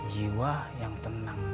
jiwa yang tenang